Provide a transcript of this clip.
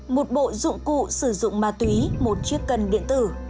một bộ dụng cụ sử dụng ma túy một chiếc cân điện tử